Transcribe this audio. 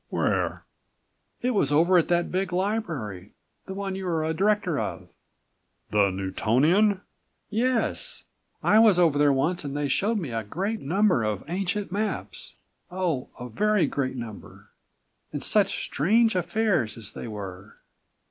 "Where?" "It was over at that big library, the one you are a director of." "The Newtonian?" "Yes. I was over there once and they showed me a great number of ancient maps. Oh, a very great number, and such strange affairs as they were!